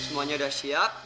semuanya udah siap